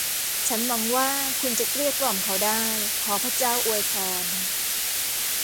ฉันหวังว่าคุณจะเกลี้ยกล่อมเขาได้ ขอพระเจ้าอวยพร